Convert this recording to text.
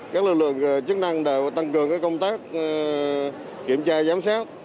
các lực lượng chức năng đều tăng cường công tác kiểm tra giám sát